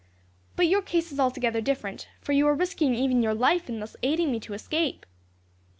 "But your case is altogether different, for you are risking even your life in thus aiding me to escape."